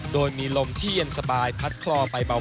โดยมีลมที่เย็นสบายพัดคลอไปเบา